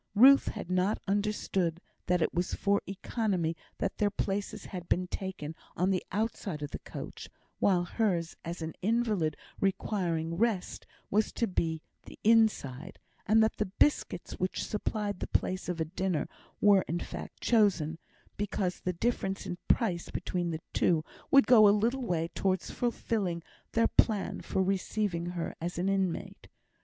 Ruth had not understood that it was for economy that their places had been taken on the outside of the coach, while hers, as an invalid requiring rest, was to be the inside; and that the biscuits which supplied the place of a dinner were, in fact, chosen because the difference in price between the two would go a little way towards fulfilling their plan for receiving her as an inmate.